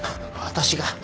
私が。